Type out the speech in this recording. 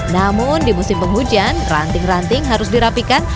namun di musim penghujan ranting ranting harus dirapikan